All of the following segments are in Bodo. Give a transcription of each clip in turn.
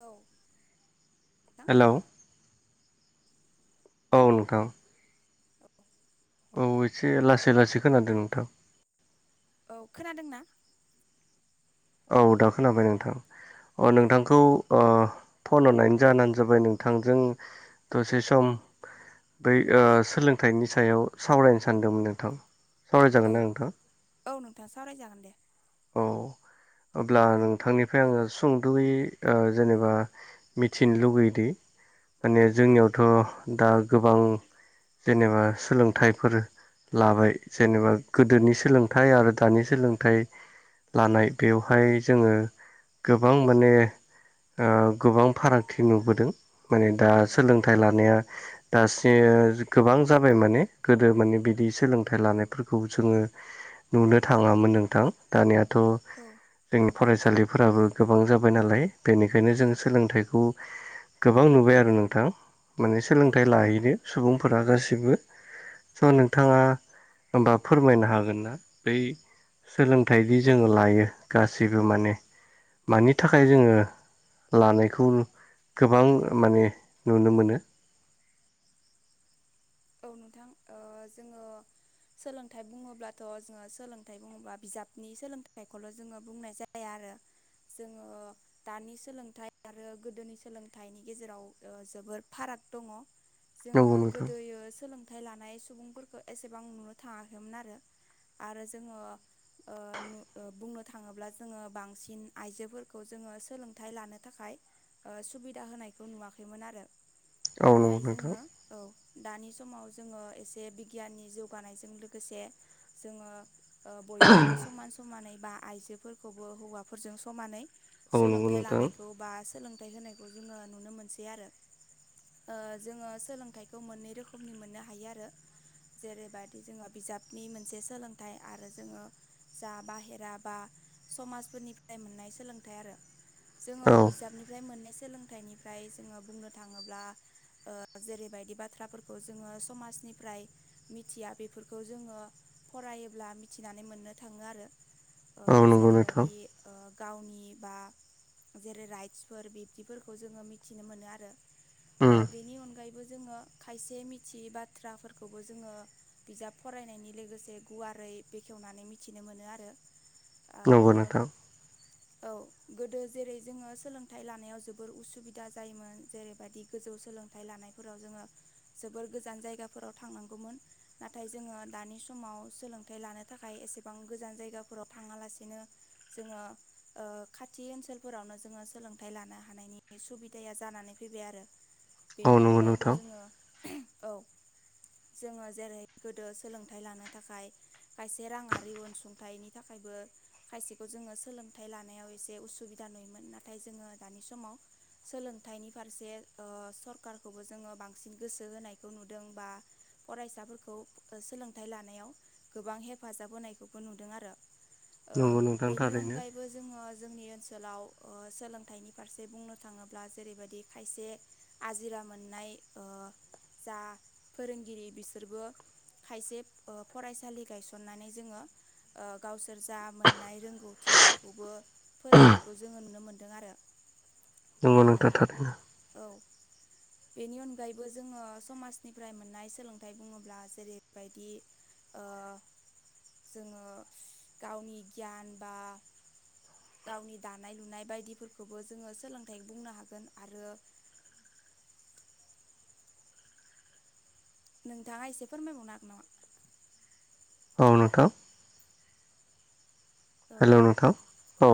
औ नोंथां हेलौ औ खोनादों नोंथां औ औ एसे लासै लासै खोनादों नोंथां औ खोनादोंना औ दाखोनाबाय नोंथां अ औ नोंथांखौ अ फन हरनायनि जानो जाबाय नोंथांजों दसे सम बै ओ सोलोंथाइनि सायाव सावरायनो सानदोंमोन नोंथां औ सावरायजागोनना नोंथां औ नोंथां सावरायजागोन दे औ अब्ला नोंथांनिफ्रा आङो सुंद'यै ओ जेनेबा मिथिनो लुगैयोदि माने जोंनियावथ' दा गोबां जेनेबा सोलोंथायफोर लाबाय जेनेबा गोदोनि सोलोंथाइ आरो दानि सोलोंथाइ लानाय बेवहाय जोङो गोबां माने ओ गोबां फारागथि नुबोदों माने दा सोलोंथाइ लानाया दासि गोबां जाबाय माने गोदो माने बिदि सोलोंथाइ लानायफोरखौ जोङो नुनो थाङामोन नोंथां दानियाथ' औ जोंनि फरायसालिफोराबो गोबां जाबाय नालाय बेनिखायनो जों सोलोंथाइखौ गोबां नुबाय आरो नोंथां माने औ सोलोंथाइ लाहैनो सुबुंफोरा गासिबो स' नोंथाङा होम बा फोरमायनो हागोन ना बै सोलों थायदि जोङो लायो गासैबो माने मानि थाखाय जोङो लानायखौ गोबां माने नुनो मोनो औ नोंथां ओ जोङो सोलोंथाइ बुङोब्लाथ' जोङो सोलोंथाइ बुङोब्ला बिजाबनि सोलोंथाइखौल' जोङो बुंनाय जाया। जाया आरो जोङो दानि सोलोंथाइ आरो गोदोनि सोलोंथाइनि गेजेराव ओ जोबोर फाराग दङ। जोङो नंगौ नोंथां गोदोयो सोलोंथाइ लानाय सुबुंफोरखौ एसेबां नुनो थाङाखैमोन आरो आरो जोङो ओ ओ बुंनो थाङोब्ला जोङो बांसिन आइजोफोरखौ जोङो सोलोंथाइ लानो थाखाय ओ सुबिदा होनायखौ नुवाखैमोन आरो औ नंगौ नाथाय नोंथां जोङो औ दानि समाव जोङो एसे बिगियाननि जौगानायजों लोगोसे जोङो ओ बयखौबो समान समानै बा आइजोफोरखौबो हौवाफोरजों समानै औ नंगौ सोलोंथाइ नोंथां लानायखौ बा सोलोंथाइ होनायखौ जोङो नुनो मोनसै आरो ओ जोङो सोलोंथाइखौ मोननै रोखोमनि मोननो हायो आरो जेरैबायाददि जोङो बिजाबनि मोनसे सोलोंथाइ आरो जोङो जा बाहेरा बा समाजफोरनिफ्राय मोननाय सोलोंथाइ आरो जोङो औ बिजाबनि फ्राय मोननाय सोलोंथाइनिफ्राय जोङो बुंनो थाङोब्ला ओ जेरैबायदि बाथ्राफोर खौ जोङो समाजनिफ्राय मिथिया बेफोरखौ जोङो फरायोब्ला मिथिनानै मोननो थाङो आरो ओ औ नंगौ नोंथां जेरैबायदि ओ गावनि बा जेरै राइट्सफोर बिब्दिफोरखौ जोङो मिथिनो मोनो आरो। ओ उम बेनि अनगायैबो जोङो खायसे मिथियै बाथ्राफोरखौबो जोङो बिजाब फरायनायनि लोगोसे गुवारै बेखेवनानै मिथिनो मोनो आरो। नंगौ आरो नोंथां औ गोदो जेरै जोङो सोलोंथाइ लानायाव जोबोर उसुबिदा जायोमोन जेरैबादि गोजौ सोलोंथाइ लानायफोराव जोङो जोबोर गोजान जायगाफोराव थांनांगौमोन। नाथाय जोङो दानि समाव सोलोंथाइ लानो थाखाय एसेबां गोजान जायगाफोराव थाङालासेनो जोङो ओ खाथि ओनसोलफोरावनो जोङो सोलोंथाइ लानो हानायनि सुबि दाया जानानै फैबाय आरो औ बेनि नंगौ अनगायैबो नोंथां जोङो औ जोङो जेरै गोदो सोलोंथाइ लानो थाखाय खायसे राङारि अनसुंथाइनि थाखायबो खायसेखौ जोङो सोलोंथाइ लानायाव एसे उसुबिदा नुयोमोन नाथाय जोङो दानि समाव सोलोंथाइनि फारसे ओ सरखारखौबो जोङो बां सिन गोसो होनायखौ नुदों बा फरायसाफोरखौ सोलोंथाइ लानायाव गोबां हेफाजाब होनायखौबो नुदों आरो ओ नंगौ नोंथां बेनि थारैनो अनगायैबो जोङो जोंनि ओनसोलाव ओ सोलोंथाइनि फारसे बुंनो थाङोब्ला जेरैबायदि खायसे आजिरा मोननाय ओ जा फोरोंगिरि बिसोरबो खायसे ओ फरायसालि गायसननानै जोङो ओ गावसोर जा मोननाय रोंगौथि बेखौबो फोरोंनायखौ जोङो नुनो मोनदों आरो नंगौ ओ नोंथां थारैनो औ बेनि अन गायैबो जोङो समाजनिफ्राय मोननाय सोलोंथाइ बुङोब्ला जेरैबायदि ओ जोङो गावनि गियान बा गावनि दानाय लुनाय बायदिफोरखौबो जोङो सोलोंथाइ बुंनो हागोन आरो नोंथाङा एसे फोरमायबावनो हागोन नामा? औ नोंथां औ हेलौ नोंथां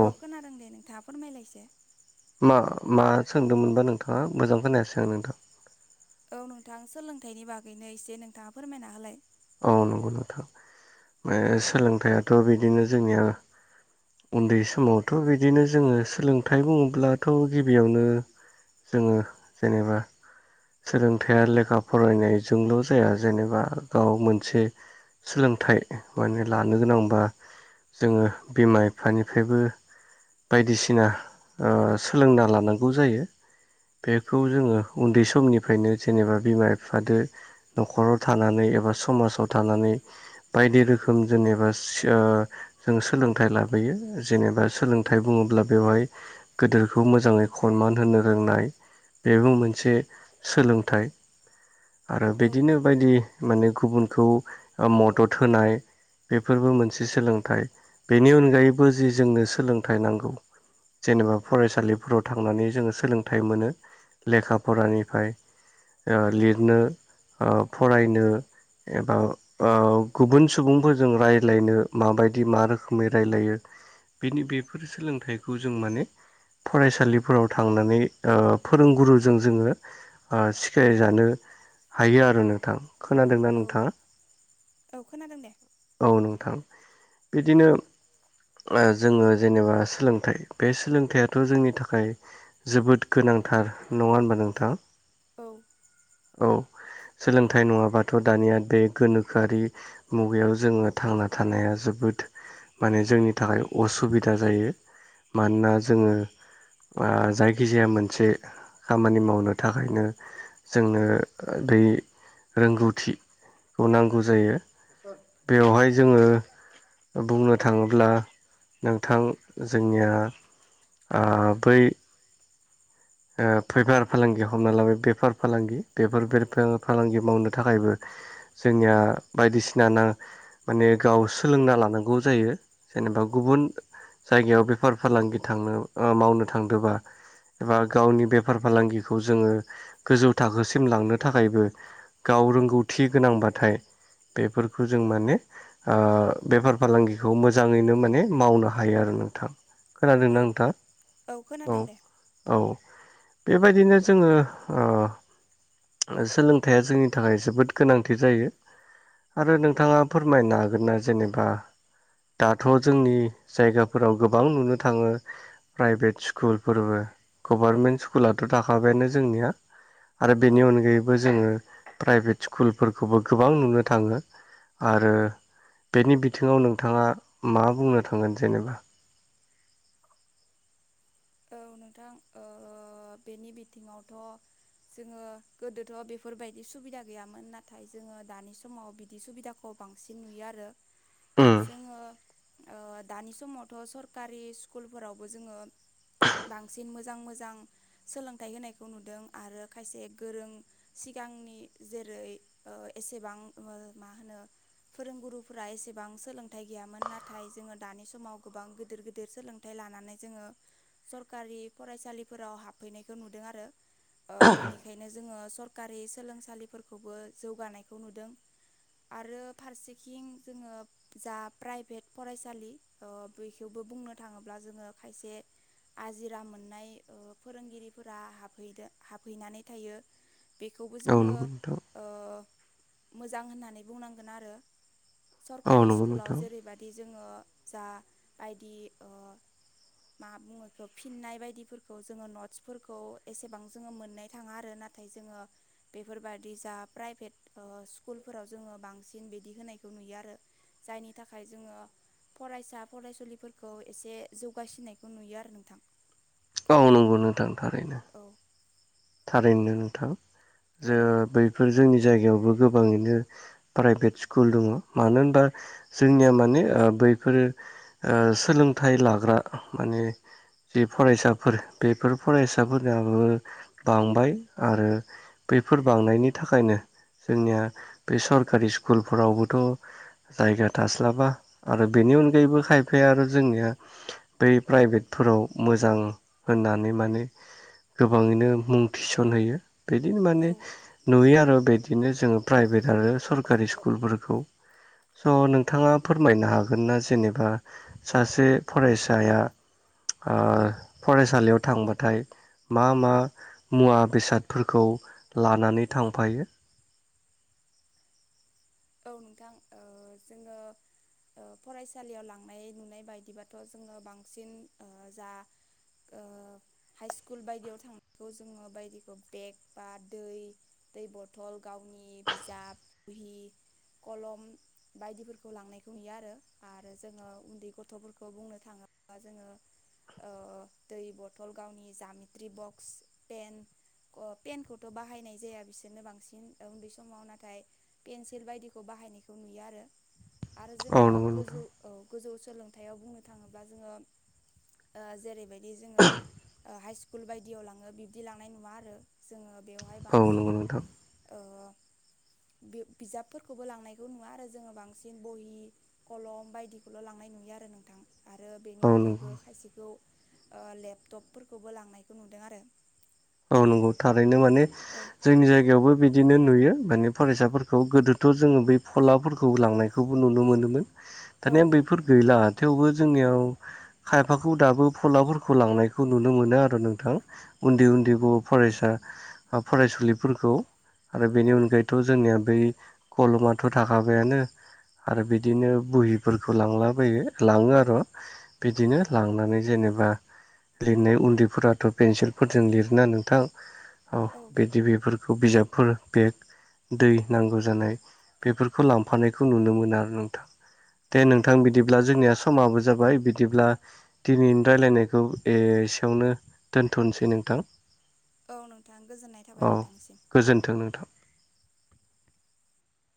औ खोनादों दे नोंथाङा फोरमायलाय इसे मा मा सोंदोंमोनबा नोंथाङा मोजां खोनायासै आं नोंथां औ नोंथां सोलोंथाइनि बागैनो एसे नोंथाङा फोरमायना होलाय औ नंगौ नोंथां ओ सोलोंथायाथ' बिदिनो जोंनिया उन्दै समावथ' बिदिनो जोङो सोलोंथाइ बुङोब्लाथ' गिबियावनो जोङो जेनेबा सोलोंथाइया लेखा फरायनायजोंल' जाया जेनेबा गाव मोनसे सोलोंथाइ माने लानो गोनांबा जोङो बिमा बिफानिफ्रायबो बायदिसिना ओ सोलोंना लानांगौ जायो बेखौ जोङो उन्दै समनिफ्रायनो जेनेबा बिमा बिफादो न'खराव थानानै एबा समाजाव थानानै बायदि रोखोम जेनेबा सि-ओ जों सोलोंथाइ लाबोयो जेनेबा सोलोंथाइ बुङोब्ला बेवहाय गोदोरखौ मोजाङै खनमान होनो रोंनाय बेबो मोनसे सोलोंथाइ आरो औ बिदिनो बायदि माने गुबुनखौ मदद होनाय बेफोरबो मोनसे सोलोंथाइ बेनि अनगायैबो जि जोंनो सोलोंथाइ नांगौ जेनेबा फरायसालिफोराव थांनानै जोङो सोलोंथाइ मोनो लेखा फरानिफ्राय ओ लिरनो ओ फरायनो एबा आ गुबुन सुबुंफोरजों रायज्लायनो माबायदि मा रोखोमै रायलायो बिनि बेफोर सोलोंथाइखौ जों माने फरायसालिफोराव थांनानै ओ फोरोंगुरुजों जोङो ओ सिखायजानो हायो आरो नोंथां, खोनादोंना औ नोंथाङा? औ खोनादों दे औ नोंथां बिदिनो जोङो जेनेबा सोलोंथाइ बे सोलोंथायाथ' जोंनि थाखाय जोबोद गोनांथार नङा होनबा नोंथां? औ औ सोलोंथाइ नङाबाथ' दानिया बे गोनोखोआरि मुगायाव जोङो थांना थानाया जोबोद माने जोंनि नि थाखाय असुबिदा जायो मानोना जोङो आ जायखिजाया मोनसे खामानि मावनो थाखायनो जोंनो बै रोंगौथिखौ नांगौ जायो। बेवहाय जोङो बुंनो थाङोब्ला नोंथां जोंनिया आ बै ओ फैफार फालांगि हमना लाबाय बेफार फालांगि बेफोर बेफार फालांगि मावनो थाखायबो जोंनिया बायदिसिना ना माने गाव सोलोंना लानांगौ जायो जेनेबा गुबुन जायगायाव बेफार फालांगि थांनो ओ मावनो थांदोंबा एबा गावनि बेफार फालांगिखौ जोङो गोजौ थाखोसिम लांनो थाखायबो गाव रोंगौथि गोनांबाथाय बेफोरखौ जों माने आ बेफार फालांगिखौ मोजाङैनो माने मावनो हायो आरो नोंथां। औ खोनादोंना नोंथां? औ खोनादों दे औ बेबायदिनो जोङो ओ ओ सोलोंथाइया जोंनि थाखाय जोबोद गोनांथि जायो। आरो नोंथाङा फोरमायनो हागोन ना जेनेबा दाथ' जोंनि जायगाफोराव गोबां नुनो थाङो प्राइभेट स्कुलफोरबो गभारमेन्ट स्कुलाथ' थाखाबायानो जोंनिया आरो औ बेनि अनगायैबो जोङो प्राइभेट स्कुलफोरखौबो गोबां नुनो थाङो। आरो बेनि बिथिङाव नोंथाङा मा बुंनो थांगोन जेनेबा? औ नोंथां अह बेनि बिथिङावथ' जोङो गोदोथ' बेफोरबायदि सुबिदा गैयामोन नाथाय जोङो दानि समाव बिदि सुबिदाखौ खौ बांसिन नुयो आरो उम जोङो ओ दानि समावथ' सरकारि स्कुलफोरावबो जोङो बांसिन मोजां मोजां सोलोंथाइ होनायखौ नुदों आरो खायसे गोरों सिगांनि जेरै ओ एसेबां मा होनो फोरोंगुरुफोरा एसेबां सोलोंथाइ गैयामोन नाथाय जोङो दानि समाव गोबां गिदिर गिदिर सोलों थाइ लानानै जोङो सरखारि फरायसालिफोराव हाबफैनायखौ नुदों आरो ओ बेनिखायनो जोङो सरकारि सोलोंसालिफोरखौबो जौगानायखौ नुदों आरो फारसेखिं जोंओ जा प्राइभेट फरायसालि ओ बेखौबो बुंनो थाङोब्ला जोङो खायसे आजिरा मोननाय ओ फोरोंगिरिफोरा हाफैदा हाबहैनानै थायो बेखौबो औ जोङो नंगौ नोंथां ओ मोजां होननानै बुंनांगोन आरो औ सरकारि नंगौ स्कुलाव नोंथां जेरैबायदि बादि जोङो जा बायदि ओ मा बुङो फिननाय बायदिफोरखौ जोङो नट्सफोरखौ एसेबां जोङो मोननाय थाङा आरो नाथाय जोङो बेफोरबादि जा प्राइभेट ओ स्कुलफोराव जोङो बांसिन बिदि होनायखौ नुयो आरो जायनि थाखाय जोंओ फरायसा फरायसुलिफोरखौ एसे जौगासिननायखौ नुयो आरो नोंथां ओ नोंगौ नोंथां थारैनो औ थारैनो नोंथां औ जों बैफोर जोंनि जायगायावबो गोबाङैनो प्राइभेट स्कुल दङ मानो होनबा जोंनिया माने बैफोरो ओ सोलोंथाइ लाग्रा माने जि फरायसाफोर बेफोर फरायसाफोरनियाबो बांबाय आरो बैफोर बांनायनि थाखायनो जोंनिया बे सरकारि स्कुलफोरावबोथ' जायगा थास्लाबा आरो बेनि अनगायैबो खायफाया आरो जोंनिया। बै प्राइभेटफोराव मोजां होननानै माने गोबाङैनो। मुं थिसनहोयो बिदिनो औ माने। नुयो आरो बिदिनो जोङो प्राइभेट आरो सरकारि स्कुलफोरखौ। स' नोंथाङा फोरमायनो हागोन ना जेनेबा। सासे फरायसाया। ओ फरायसालियाव थांबाथाय मा मा। मुवा बेसादफोरखौ लानानै थांफायो। औ नोंथां ओ जोङो। ओ फरायसालियाव लांनाय नुनाय बायदिबाथ' जोङो बांसिन ओ जा। ओ हाइस्कुल बायदियाव थांनायखौ जोङो बायदिखौ बेग बा दै। दै बथल गावनि बिजाब बुहि कलम। बायदिफोरखौ लांनायखौ नुयो आरो आरो जोङो उन्दै गथ'फोरखौ बुंनो थाङोब्ला जोङो। ओ दै बथल गावनि जामिट्रि बक्स पेन। अपेन खौथ' बाहायनाय जाया बिसोरनो बांसिन उन्दै समाव नाथाय पेन्सिल बायदि। खौ बाहायनायखौ नुयो आरो आरो औ जोङो नंगौ नोंथां गोजौ औ। गोजौ सोलोंथायाइयाव बुंनो थाङोब्ला जोङो। ओ जेरैबायदि जोङो हाइष्कुल बायदियाव लाङो बिब्दि लांनाय नुवा आरो। जोंङो बेवहाय औ बांसिन नंगौ नोंथां ओ बि बिजाब। फोरखौबो लांनायखौ नुवा आरो जोंङो बांसिन बहि। कलम बायदिखौल' लांनाय नुयो आरो नोंथां आरो बेनि औ अनगायैबो नंगौ खायसेखौ। ओ लेपटपफोरखौबो लांनायखौ नुदों आरो। औ नंगौ थारैनो माने औ जोंनि जायगायावबो बिदि बिदिनो नुयो माने फरायसाफोरखौ गोदोथ' जोंङो बै फलाफोरखौ लांनायखौबो नुनो मोनोमोन। औ दानिया बेफोर गैला थेवबो जोंनियाव। खायफाखौ दाबो फलाफोरखौ लांनायखौ नुनो मोनो आरो नोंथां उन्दै उन्दै गुब फरायसा फरायसुलिफोरखौ आरो औ बेनि अनगायै। दाथ' जोंनिया बै कलमाथ' थाखाबायानो। आरो बिदिनो बहिफोरखौ लांला बायो लाङो आरो। बिदिनो लांनानै जेनेबा लिरनाय उन्दैफोराथ' पेन्सिलफोरजों लि ना नोंथां औ बिदि बेफोरखौ बिजाबफोर बे। दै नांगौ जानाय बेफोरखौ लांफानायखौ नुनो मोन आरो नोंथां‌। दे औ नोंथां बिदिब्ला जोंनिया समाबो जाबाय बिदिब्ला। दिनैनि रायज्लायनायखौ एसेयावनो दोनथ'नोसै नोंथां। औ नोंथां गोजोननाय थाबाय औ नोंथांनिसिम गोजोन्थों नोंथां।